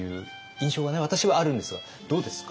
私はあるんですがどうですか？